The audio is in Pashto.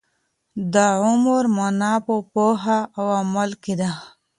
د عمر مانا په پوهه او عمل کي ده.